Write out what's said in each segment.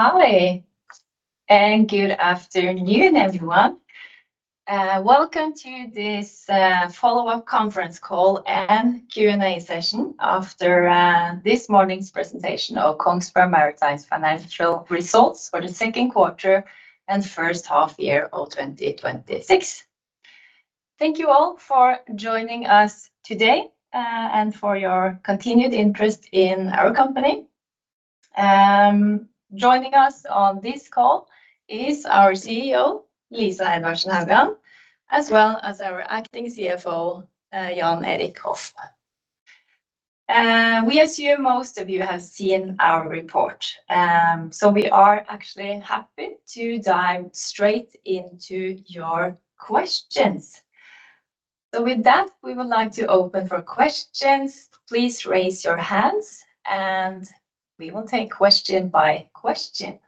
Hi, good afternoon, everyone. Welcome to this follow-up conference call and Q&A session after this morning's presentation of Kongsberg Maritime's financial results for the second quarter and first half year of 2026. Thank you all for joining us today and for your continued interest in our company. Joining us on this call is our CEO, Lisa Edvardsen Haugan, as well as our acting CFO, Jan Erik Hoff. We assume most of you have seen our report, we are actually happy to dive straight into your questions. With that, we would like to open for questions. Please raise your hands and we will take question by question.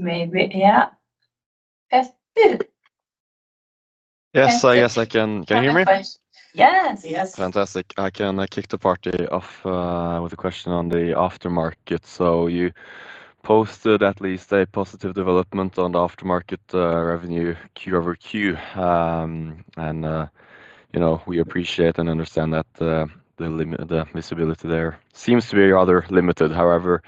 Maybe, yeah. [Espen]. Yes, I guess I can. Can you hear me? Yes. Fantastic. I can kick the party off with a question on the aftermarket. You posted at least a positive development on the aftermarket revenue Q-over-Q. We appreciate and understand that the visibility there seems to be rather limited. However,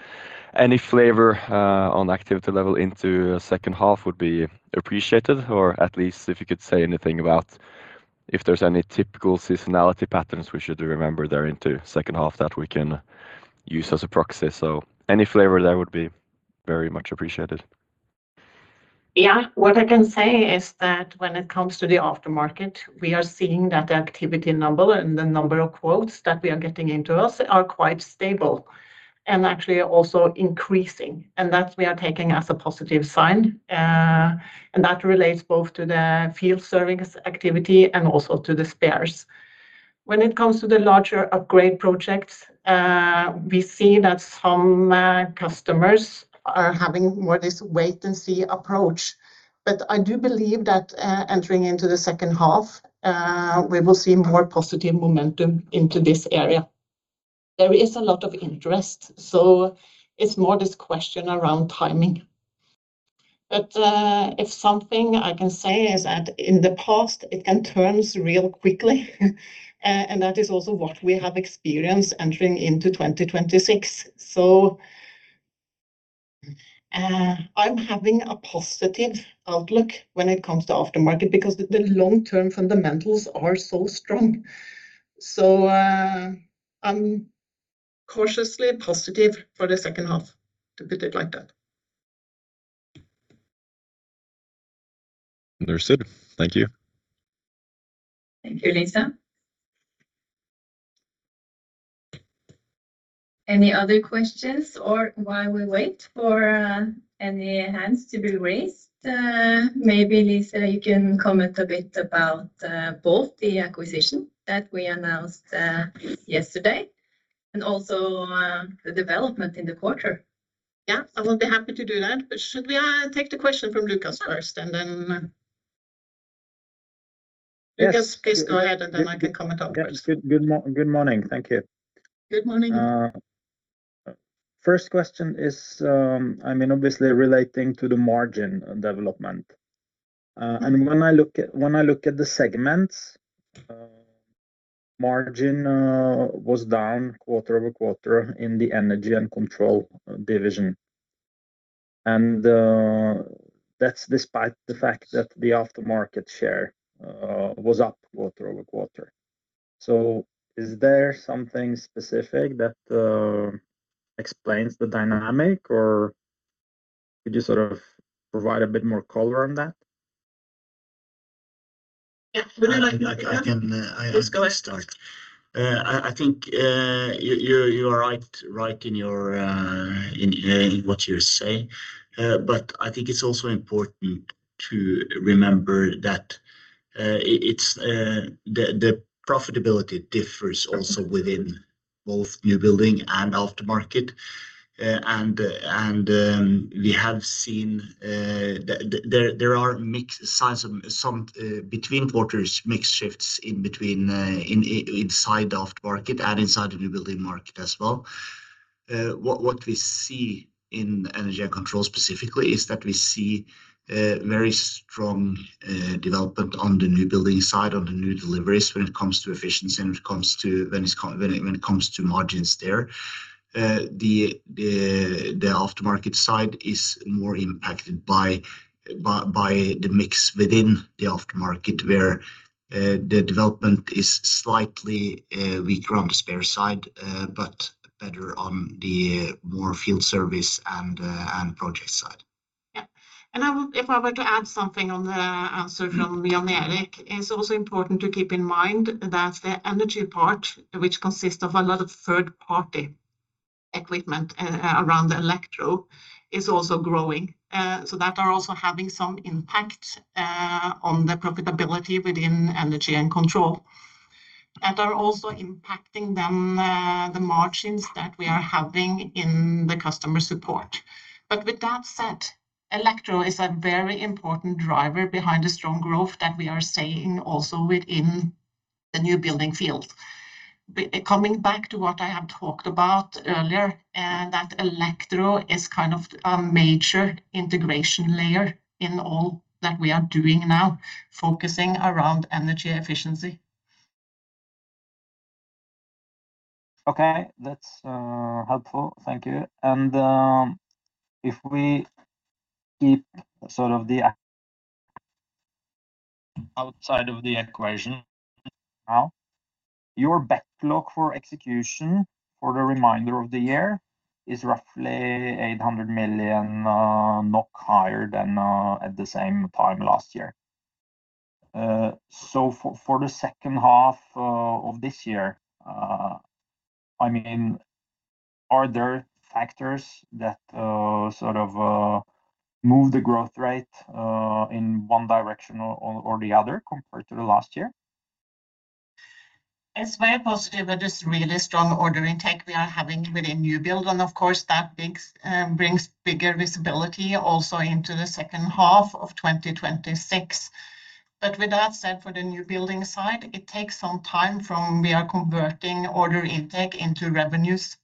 any flavor on activity level into second half would be appreciated, or at least if you could say anything about if there's any typical seasonality patterns we should remember there into second half that we can use as a proxy. Any flavor there would be very much appreciated. Yeah. What I can say is that when it comes to the aftermarket, we are seeing that the activity number and the number of quotes that we are getting into us are quite stable and actually are also increasing, and that we are taking as a positive sign. That relates both to the field service activity and also to the spares. When it comes to the larger upgrade projects, we see that some customers are having more this wait and see approach. I do believe that entering into the second half, we will see more positive momentum into this area. There is a lot of interest, it's more this question around timing. If something I can say is that in the past it can turn real quickly. That is also what we have experienced entering into 2026. I'm having a positive outlook when it comes to aftermarket because the long-term fundamentals are so strong. I'm cautiously positive for the second half, to put it like that. Understood. Thank you. Thank you, Lisa. Any other questions or while we wait for any hands to be raised, maybe, Lisa, you can comment a bit about both the acquisition that we announced yesterday and also the development in the quarter. Yeah, I will be happy to do that. Should we take the question from Lucas first and then Lucas, please go ahead and then I can comment afterwards. Yes. Good morning. Thank you. Good morning. First question is obviously relating to the margin development. When I look at the segments, margin was down quarter-over-quarter in the Energy & Control division. That's despite the fact that the aftermarket share was up quarter-over-quarter. Is there something specific that explains the dynamic, or could you provide a bit more color on that? Yeah. Would you like to begin? I can start. Please go ahead. I think you are right in what you say, but I think it's also important to remember that the profitability differs also within both new building and aftermarket. We have seen there are mixed signs of some between quarters, mixed shifts inside the aftermarket and inside the new building market as well. What we see in Energy & Control specifically is that we see very strong development on the new building side, on the new deliveries when it comes to efficiency and when it comes to margins there. The aftermarket side is more impacted by the mix within the aftermarket, where the development is slightly weaker on the spare side, but better on the more field service and project side. If I were to add something on the answer from Jan Erik, it's also important to keep in mind that the energy part, which consists of a lot of third-party equipment around the electro, is also growing. That is also having some impact on the profitability within Energy & Control. That are also impacting the margins that we are having in the customer support. With that said, electro is a very important driver behind the strong growth that we are seeing also within the new building field. Coming back to what I have talked about earlier, that electro is a major integration layer in all that we are doing now, focusing around energy efficiency. Okay, that's helpful. Thank you. If we keep sort of outside of the equation now, your backlog for execution for the remainder of the year is roughly 800 million NOK higher than at the same time last year. For the second half of this year, are there factors that move the growth rate in one direction or the other compared to last year? It's very positive with this really strong order intake we are having with the new build. Of course, that brings bigger visibility also into the second half of 2026. With that said, for the new building side, it takes some time from we are converting order intake into revenues.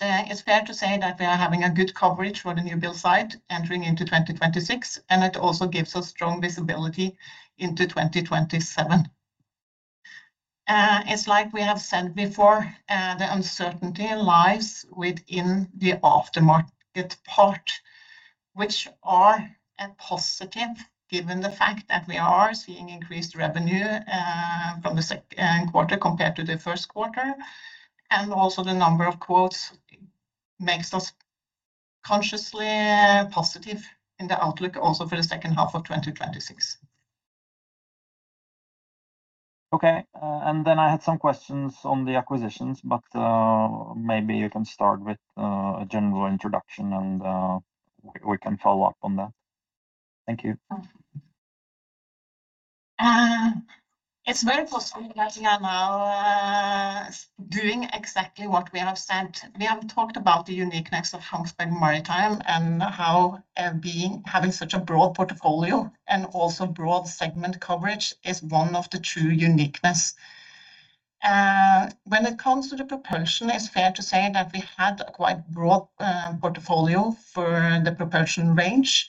It's fair to say that we are having a good coverage for the new build side entering into 2026, and it also gives us strong visibility into 2027. It's like we have said before, the uncertainty lies within the aftermarket part, which are a positive given the fact that we are seeing increased revenue from the second quarter compared to the first quarter. Also the number of quotes makes us consciously positive in the outlook also for the second half of 2026. Okay. Then I had some questions on the acquisitions, maybe you can start with a general introduction and we can follow up on that. Thank you. It's very possible that we are now doing exactly what we have said. We have talked about the uniqueness of Kongsberg Maritime and how having such a broad portfolio and also broad segment coverage is one of the true uniqueness. When it comes to the propulsion, it's fair to say that we had a quite broad portfolio for the propulsion range,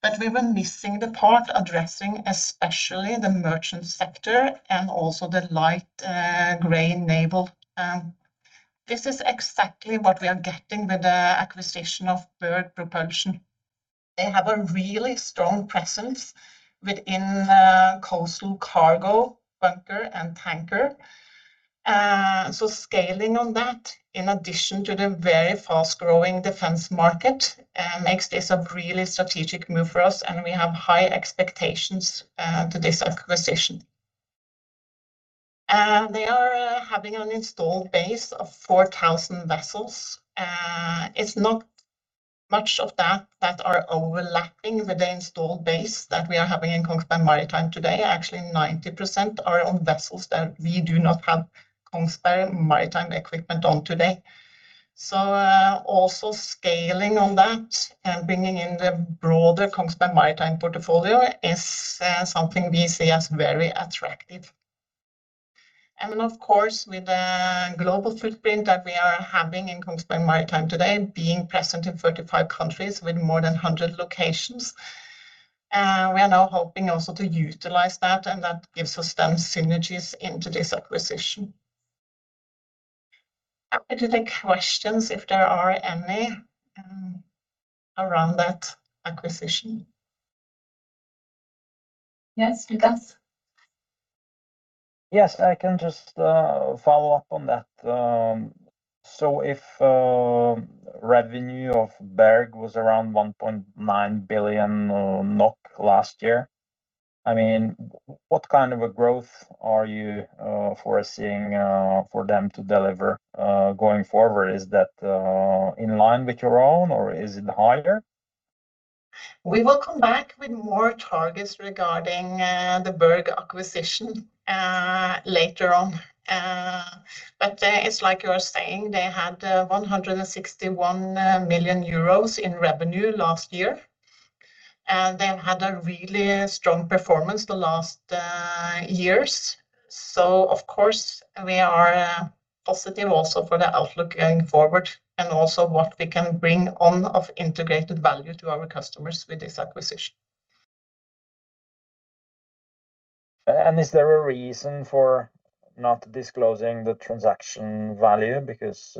but we were missing the part addressing especially the merchant sector and also the light grey naval. This is exactly what we are getting with the acquisition of Berg Propulsion. They have a really strong presence within coastal cargo, bunker, and tanker. Scaling on that in addition to the very fast-growing defense market, makes this a really strategic move for us, and we have high expectations to this acquisition. They are having an installed base of 4,000 vessels. It's not much of that that are overlapping with the installed base that we are having in Kongsberg Maritime today. Actually, 90% are on vessels that we do not have Kongsberg Maritime equipment on today. Also scaling on that and bringing in the broader Kongsberg Maritime portfolio is something we see as very attractive. Then, of course, with the global footprint that we are having in Kongsberg Maritime today, being present in 35 countries with more than 100 locations, we are now hoping also to utilize that, and that gives us then synergies into this acquisition. Happy to take questions if there are any around that acquisition. Yes, Lucas? Yes, I can just follow up on that. If revenue of Berg was around 1.9 billion NOK last year, what kind of a growth are you foreseeing for them to deliver going forward? Is that in line with your own or is it higher? We will come back with more targets regarding the Berg acquisition later on. But it's like you're saying, they had 161 million euros in revenue last year. They've had a really strong performance the last years. So, of course, we are positive also for the outlook going forward and also what we can bring on of integrated value to our customers with this acquisition. Is there a reason for not disclosing the transaction value? Because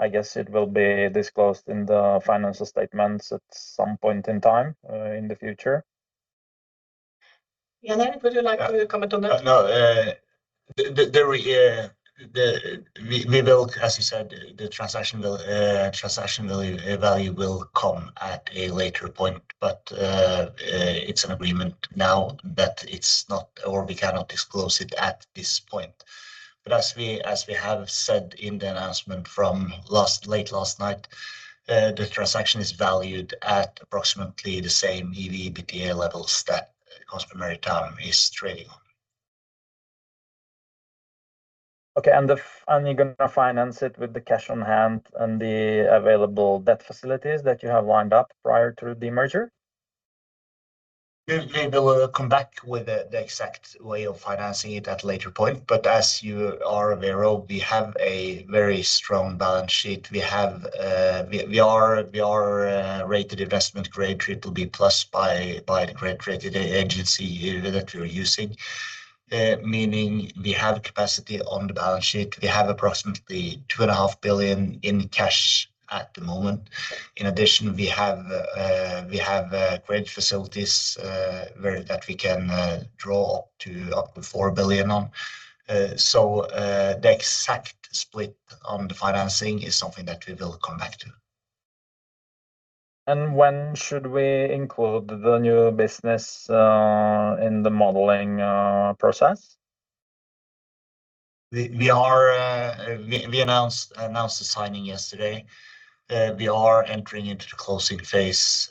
I guess it will be disclosed in the financial statements at some point in time in the future. Jan Erik, would you like to comment on that? No. As you said, the transaction value will come at a later point, but it's an agreement now that we cannot disclose it at this point. As we have said in the announcement from late last night, the transaction is valued at approximately the same EV/EBITDA levels that Kongsberg Maritime is trading on. Okay, you're going to finance it with the cash on hand and the available debt facilities that you have lined up prior to the merger? We will come back with the exact way of financing it at a later point, but as you are aware, we have a very strong balance sheet. We are rated investment grade BBB+ by the credit rating agency that we are using, meaning we have capacity on the balance sheet. We have approximately 2.5 billion in cash at the moment. In addition, we have credit facilities that we can draw up to 4 billion on. The exact split on the financing is something that we will come back to. When should we include the new business in the modeling process? We announced the signing yesterday. We are entering into the closing phase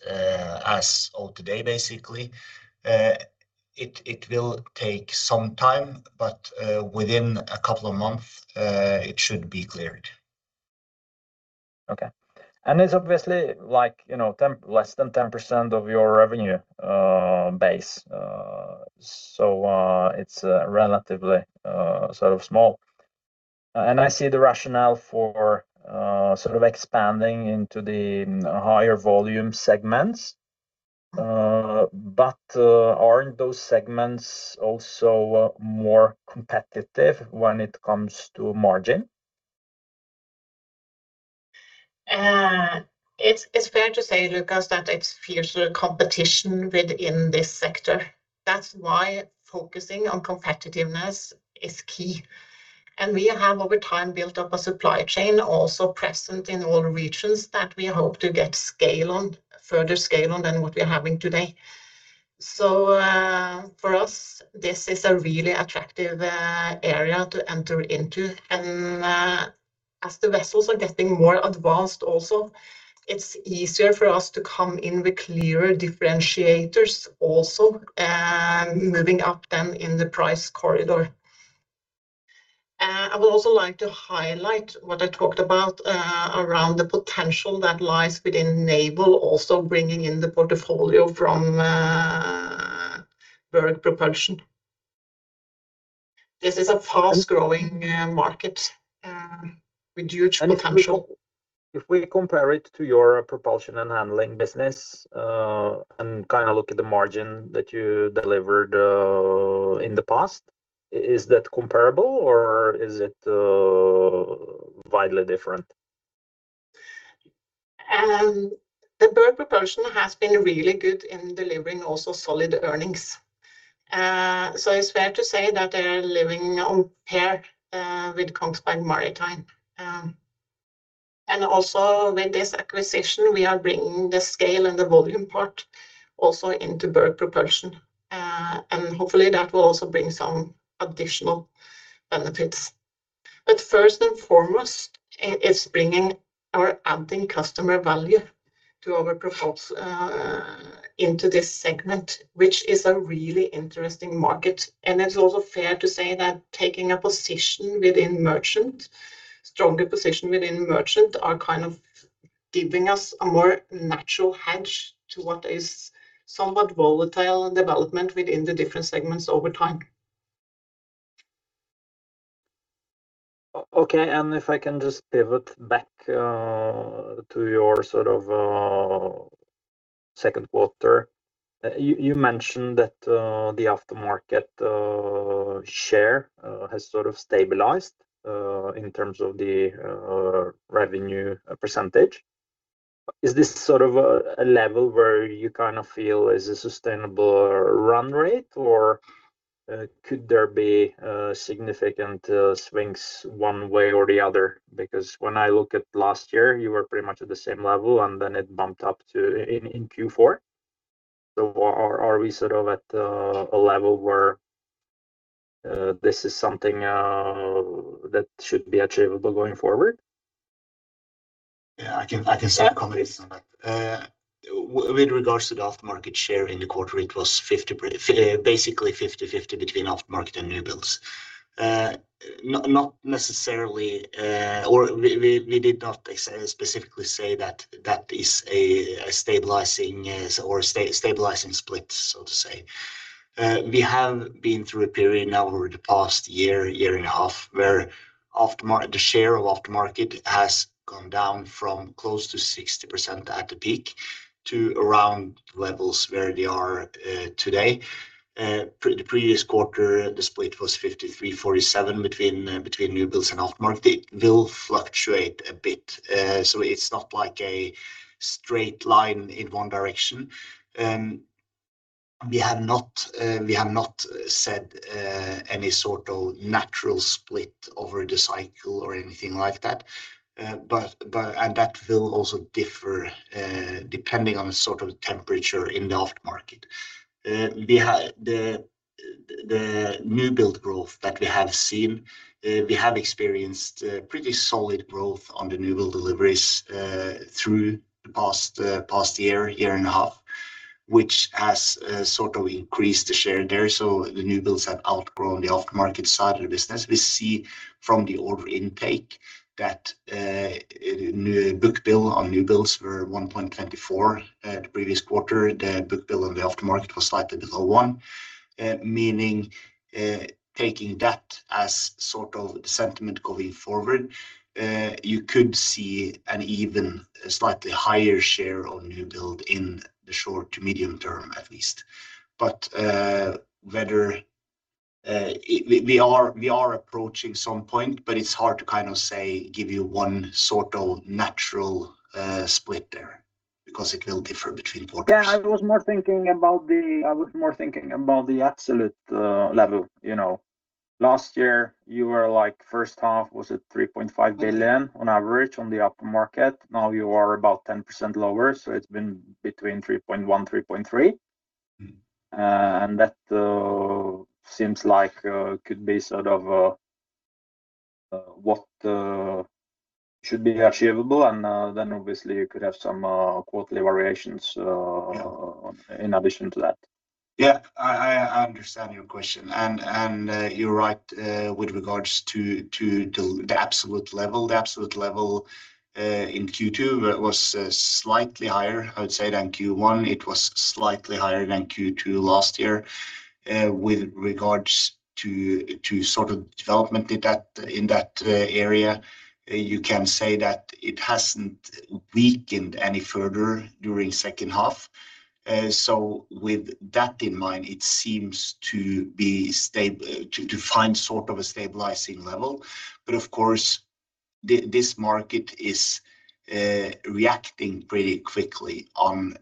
as of today, basically. It will take some time, but within a couple of months, it should be cleared. Okay. It's obviously less than 10% of your revenue base, so it's relatively small. I see the rationale for expanding into the higher volume segments. Aren't those segments also more competitive when it comes to margin? It's fair to say, Lucas, that it's fierce competition within this sector. That's why focusing on competitiveness is key. We have, over time, built up a supply chain also present in all regions that we hope to get further scale on than what we are having today. For us, this is a really attractive area to enter into. As the vessels are getting more advanced also, it's easier for us to come in with clearer differentiators also, and moving up then in the price corridor. I would also like to highlight what I talked about around the potential that lies within naval, also bringing in the portfolio from Berg Propulsion. This is a fast-growing market with huge potential. If we compare it to your Propulsion & Handling business, and look at the margin that you delivered in the past, is that comparable, or is it widely different? The Berg Propulsion has been really good in delivering also solid earnings. It's fair to say that they are living on par with Kongsberg Maritime. Also with this acquisition, we are bringing the scale and the volume part also into Berg Propulsion. Hopefully, that will also bring some additional benefits. First and foremost, it's bringing or adding customer value into this segment, which is a really interesting market. It's also fair to say that taking a stronger position within merchant are giving us a more natural hedge to what is somewhat volatile development within the different segments over time. Okay, if I can just pivot back to your second quarter. You mentioned that the aftermarket share has stabilized in terms of the revenue percentage. Is this a level where you feel is a sustainable run rate, or could there be significant swings one way or the other? When I look at last year, you were pretty much at the same level, and then it bumped up in Q4. Are we at a level where this is something that should be achievable going forward? Yeah, I can start to comment on that. With regards to the aftermarket share in the quarter, it was basically 50/50 between aftermarket and new builds. Not necessarily, or we did not specifically say that is a stabilizing split, so to say. We have been through a period now over the past year and a half, where the share of aftermarket has gone down from close to 60% at the peak to around levels where they are today. The previous quarter, the split was 53/47 between new builds and aftermarket. It will fluctuate a bit, so it's not like a straight line in one direction. We have not set any sort of natural split over the cycle or anything like that. That will also differ depending on the temperature in the aftermarket. The new build growth that we have seen, we have experienced pretty solid growth on the new build deliveries through the past year and a half, which has increased the share there. The new builds have outgrown the aftermarket side of the business. We see from the order intake that book-to-bill on new builds were 1.24 the previous quarter. The book-to-bill on the aftermarket was slightly below one, meaning taking that as the sentiment going forward, you could see an even slightly higher share of new build in the short to medium term at least. We are approaching some point, but it's hard to give you one natural split there because it will differ between quarters. Yeah, I was more thinking about the absolute level. Last year you were like first half, was it 3.5 billion on average on the aftermarket? Now you are about 10% lower, so it's been between 3.1 billion-3.3 billion. That seems like could be what should be achievable and obviously you could have some quarterly variations- Yeah In addition to that. Yeah. I understand your question. You're right with regards to the absolute level. The absolute level in Q2 was slightly higher, I would say, than Q1. It was slightly higher than Q2 last year. With regards to development in that area, you can say that it hasn't weakened any further during second half. With that in mind, it seems to find a stabilizing level. Of course, this market is reacting pretty quickly on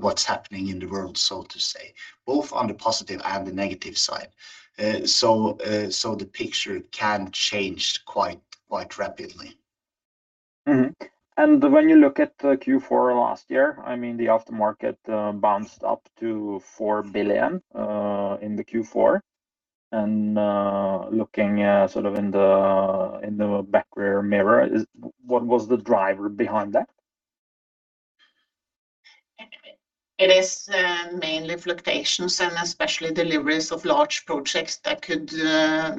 what's happening in the world, so to say, both on the positive and the negative side. The picture can change quite rapidly. Mm-hmm. When you look at Q4 last year, the aftermarket bounced up to 4 billion in the Q4. Looking in the back rear mirror, what was the driver behind that? It is mainly fluctuations and especially deliveries of large projects that could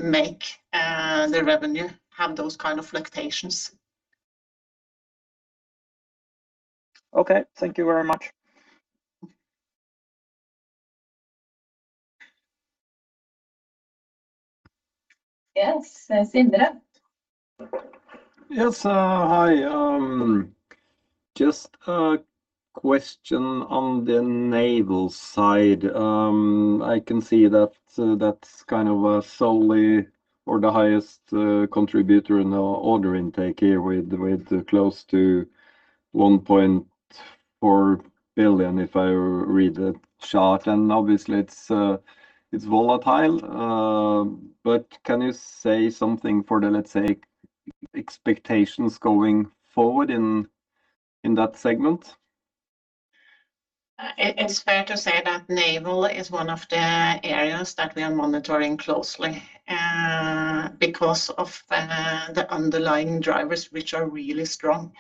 make the revenue have those kind of fluctuations. Okay. Thank you very much. Yes, Sindre? Yes. Hi. Just a question on the naval side. I can see that's solely or the highest contributor in the order intake here with close to 1.4 billion if I read the chart, and obviously it's volatile. Can you say something for the, let's say, expectations going forward in that segment? It is fair to say that naval is one of the areas that we are monitoring closely because of the underlying drivers which are really strong,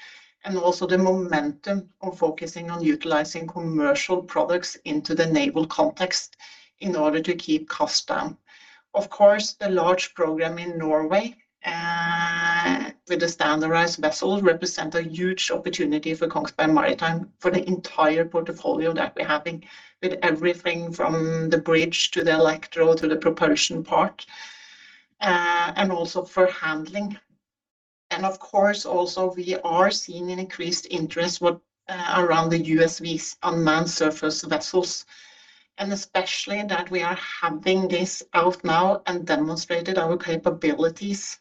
also the momentum of focusing on utilizing commercial products into the naval context in order to keep cost down. Of course, the large program in Norway with the standardized vessel represent a huge opportunity for Kongsberg Maritime, for the entire portfolio that we're having with everything from the bridge to the electro to the propulsion part, also for handling. Of course also we are seeing an increased interest around the USVs unmanned surface vessels. Especially that we are having this out now and demonstrated our capabilities,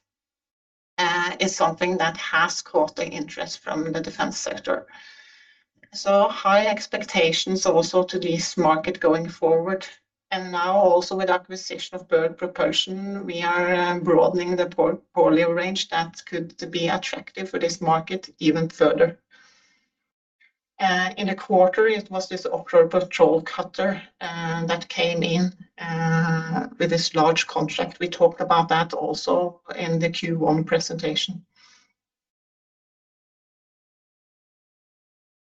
is something that has caught the interest from the defense sector. High expectations also to this market going forward. Now also with acquisition of Berg Propulsion, we are broadening the portfolio range that could be attractive for this market even further. In a quarter it was this Offshore Patrol Cutter that came in with this large contract. We talked about that also in the Q1 presentation.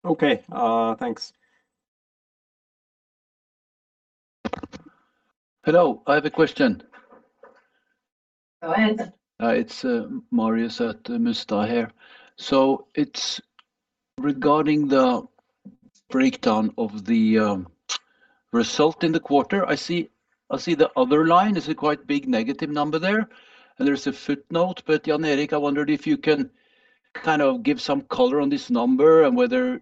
Okay. Thanks. Hello, I have a question. Go ahead. It's Marius at Mustad here. It's regarding the breakdown of the result in the quarter. I see the other line is a quite big negative number there, and there's a footnote, Jan Erik, I wondered if you can give some color on this number and whether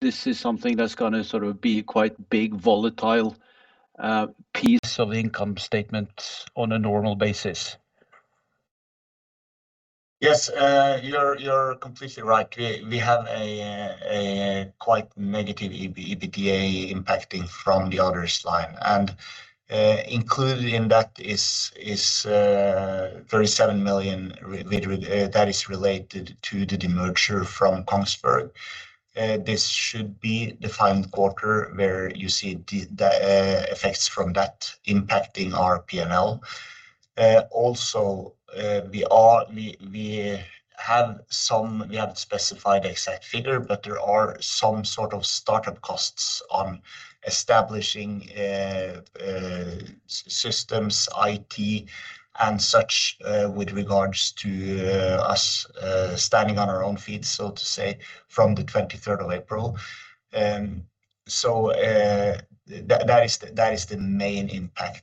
this is something that's going to be quite big, volatile piece of income statement on a normal basis. Yes, you're completely right. We have a quite negative EBITDA impacting from the others line. Included in that is 37 million that is related to the demerger from Kongsberg. This should be the final quarter where you see the effects from that impacting our P&L. We haven't specified the exact figure, but there are some sort of startup costs on establishing systems, IT, and such with regards to us standing on our own feet, so to say, from the 23rd of April. That is the main impact.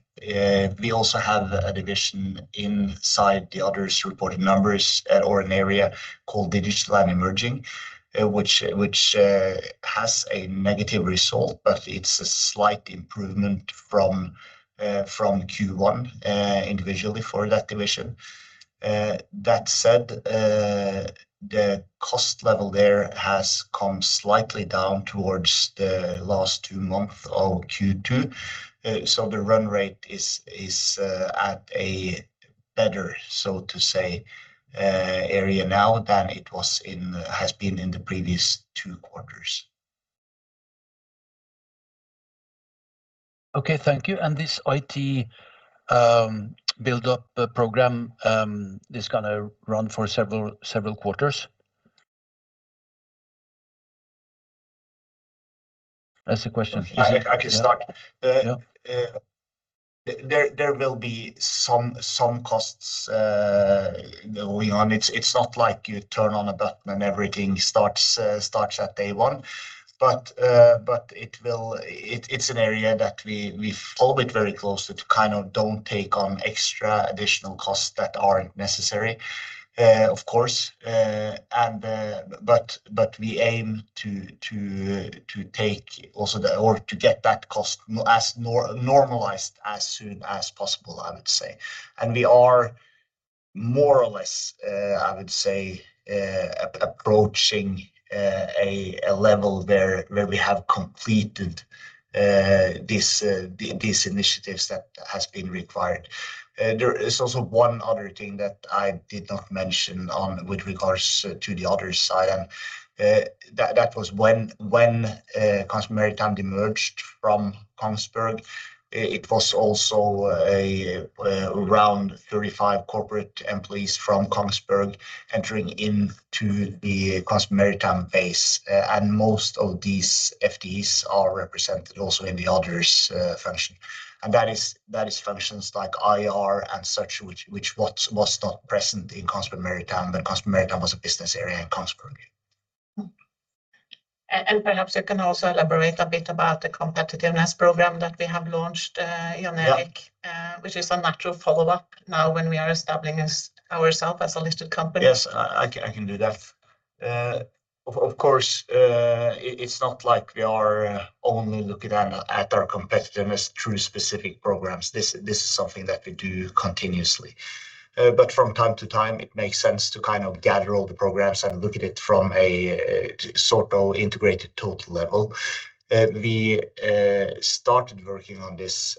We also have a division inside the others reporting numbers or an area called Digital and Emerging, which has a negative result, but it's a slight improvement from Q1 individually for that division. That said, the cost level there has come slightly down towards the last two months of Q2. The run rate is at a better, so to say, area now than it has been in the previous two quarters. Okay. Thank you. This IT build-up program is going to run for several quarters? That's the question. I can start. Yeah. There will be some costs going on. It's not like you turn on a button and everything starts at day one. It's an area that we hold it very close to kind of don't take on extra additional costs that aren't necessary, of course. We aim to get that cost normalized as soon as possible, I would say. We are more or less, I would say, approaching a level where we have completed these initiatives that has been required. There is also one other thing that I did not mention on with regards to the other side, that was when Kongsberg Maritime emerged from Kongsberg, it was also around 35 corporate employees from Kongsberg entering into the Kongsberg Maritime base. Most of these FTEs are represented also in the others function. That is functions like IR and such, which was not present in Kongsberg Maritime when Kongsberg Maritime was a business area in Kongsberg. Perhaps you can also elaborate a bit about the competitiveness program that we have launched, Jan Erik. Yeah Which is a natural follow-up now when we are establishing ourself as a listed company. Yes. I can do that. Of course, it is not like we are only looking at our competitiveness through specific programs. This is something that we do continuously. From time to time, it makes sense to gather all the programs and look at it from a sort of integrated total level. We started working on this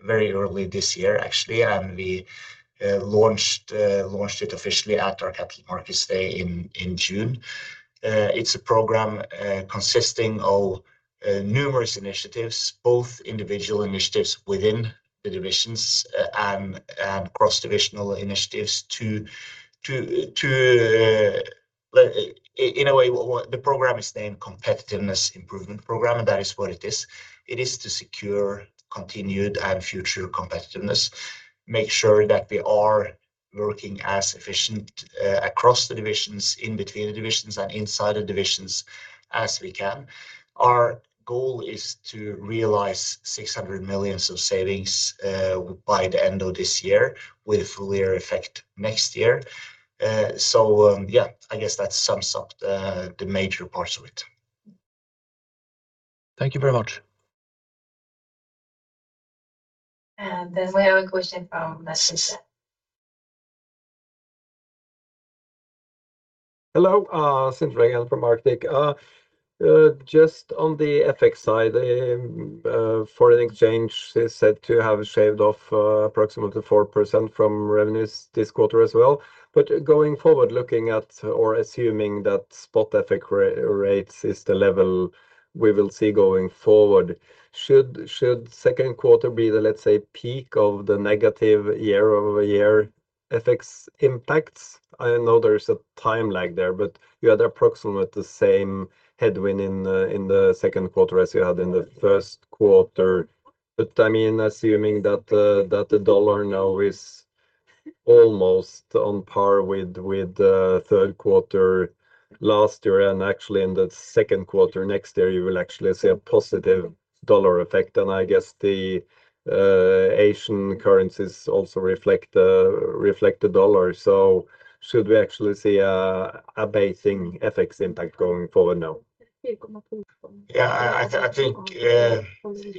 very early this year, actually, and we launched it officially at our capital markets day in June. It is a program consisting of numerous initiatives, both individual initiatives within the divisions and cross-divisional initiatives to In a way, the program is named Competitiveness Improvement Program, and that is what it is. It is to secure continued and future competitiveness, make sure that we are working as efficient across the divisions, in between the divisions, and inside the divisions as we can. Our goal is to realize 600 million of savings by the end of this year with full year effect next year. Yeah, I guess that sums up the major parts of it. Thank you very much. We have a question from. [inaudible] Hello. Sindre from Arctic. Just on the FX side, foreign exchange is said to have shaved off approximately 4% from revenues this quarter as well. Going forward, looking at or assuming that spot FX rates is the level we will see going forward, should second quarter be the, let's say, peak of the negative year-over-year FX impacts? I know there's a time lag there, but you had approximately the same headwind in the second quarter as you had in the first quarter. Assuming that the dollar now is almost on par with the third quarter last year, and actually in the second quarter next year, you will actually see a positive dollar effect. I guess the Asian currencies also reflect the dollar. Should we actually see a basing FX impact going forward now? Yeah. I think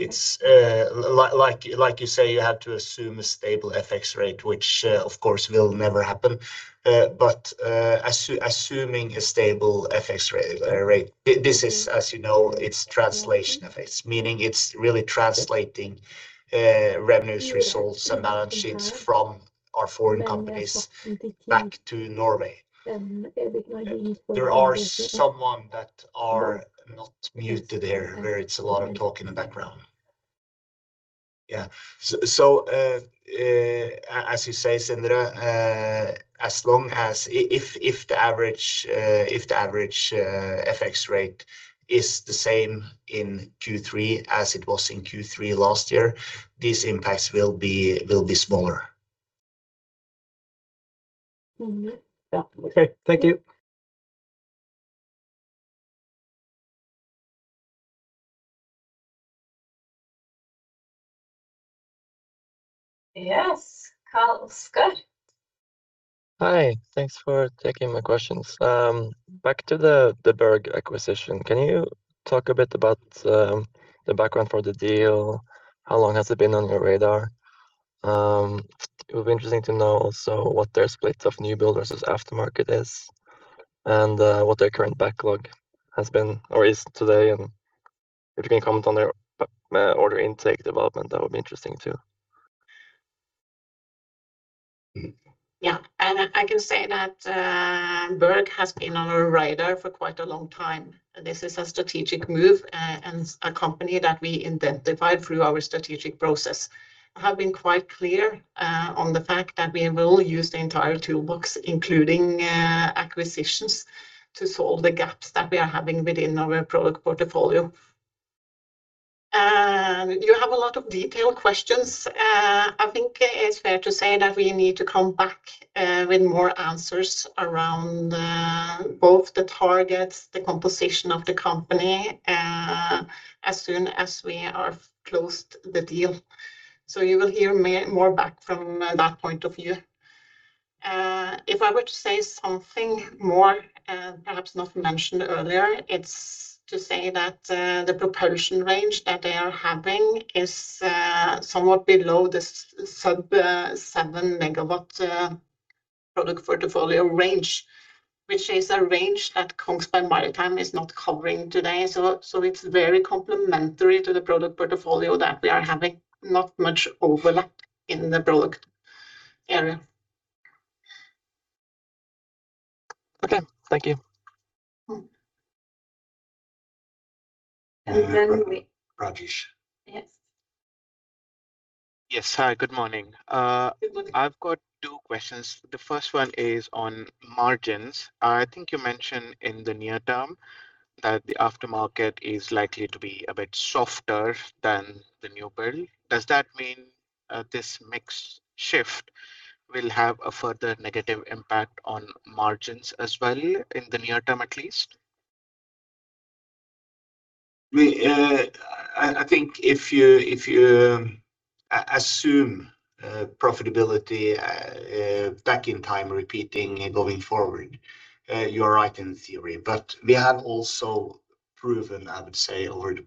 it's like you say, you have to assume a stable FX rate, which of course will never happen. Assuming a stable FX rate, this is, as you know, it's translation effects, meaning it's really translating revenues results and balance sheets from our foreign companies back to Norway. There are someone that are not muted there where it's a lot of talk in the background. Yeah. As you say, Sindre, if the average FX rate is the same in Q3 as it was in Q3 last year, these impacts will be smaller. Yeah. Okay. Thank you. Yes. Carl-Oscar. Hi. Thanks for taking my questions. Back to the Berg acquisition. Can you talk a bit about the background for the deal? How long has it been on your radar? It would be interesting to know also what their split of new builders is aftermarket is, and what their current backlog has been or is today, and if you can comment on their order intake development, that would be interesting, too. Yeah. I can say that Berg has been on our radar for quite a long time. This is a strategic move, and a company that we identified through our strategic process. Have been quite clear on the fact that we will use the entire toolbox, including acquisitions, to solve the gaps that we are having within our product portfolio. You have a lot of detailed questions. I think it is fair to say that we need to come back with more answers around both the targets, the composition of the company, as soon as we are closed the deal. You will hear more back from that point of view. If I were to say something more, perhaps not mentioned earlier, it's to say that the propulsion range that they are having is somewhat below the sub-7 MW product portfolio range, which is a range that Kongsberg Maritime is not covering today. It's very complementary to the product portfolio that we are having not much overlap in the product area. Okay. Thank you. And then we- Ranjish. Yes. Yes. Hi, good morning. Good morning. I've got two questions. The first one is on margins. I think you mentioned in the near term that the aftermarket is likely to be a bit softer than the new build. Does that mean this mix shift will have a further negative impact on margins as well in the near term at least? I think if you assume profitability back in time repeating going forward, you are right in theory. We have also proven, I would say, over the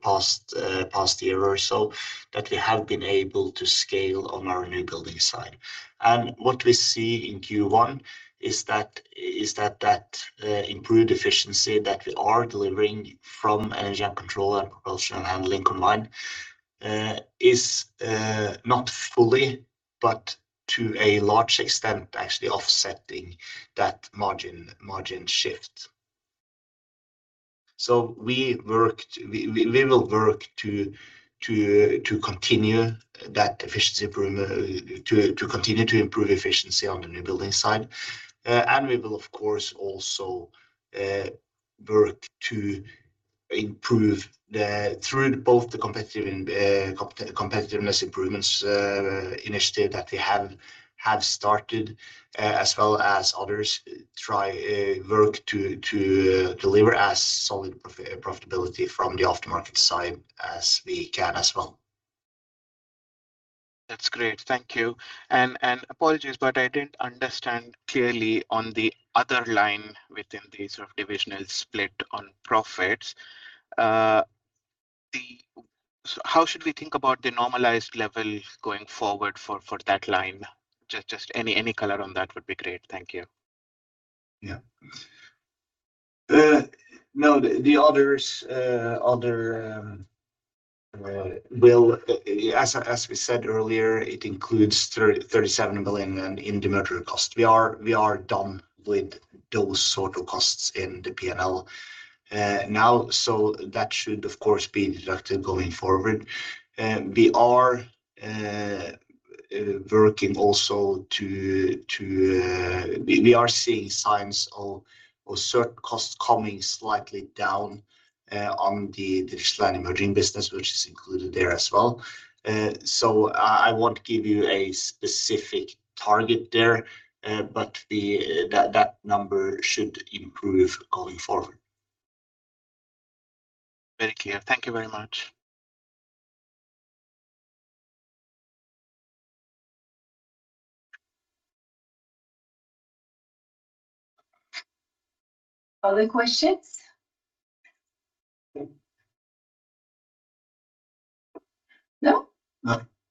past year or so, that we have been able to scale on our new building side. What we see in Q1 is that improved efficiency that we are delivering from Energy & Control and Propulsion & Handling [combined], is not fully, but to a large extent, actually offsetting that margin shift. We will work to continue to improve efficiency on the new building side. We will, of course, also work to improve through both the Competitiveness Improvements Initiative that we have started, as well as others work to deliver as solid profitability from the aftermarket side as we can as well. That's great. Thank you. Apologies, I didn't understand clearly on the other line within the sort of divisional split on profits. How should we think about the normalized level going forward for that line? Just any color on that would be great. Thank you. Yeah. No, the others, as we said earlier, it includes 37 million in demerger cost. We are done with those sort of costs in the P&L. That should of course be deducted going forward. We are working also. We are seeing signs of certain costs coming slightly down on the Digital and Emerging business, which is included there as well. I won't give you a specific target there, but that number should improve going forward. Very clear. Thank you very much. Other questions? No? No.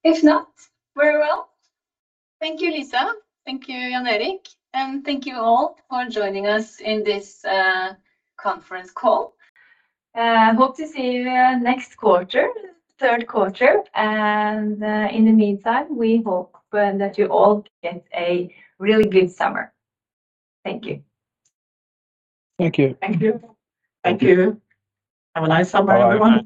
If not, very well. Thank you, Lisa. Thank you, Jan-Erik. Thank you all for joining us in this conference call. Hope to see you next quarter, third quarter. In the meantime, we hope that you all get a really good summer. Thank you. Thank you. Thank you. Thank you. Have a nice summer, everyone.